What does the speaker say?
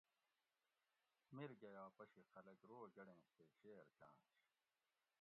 میر گیہۤ پشی خلک رو گڑینش تے شیر چانش